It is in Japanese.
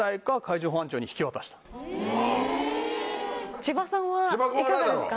千葉さんはいかがですか？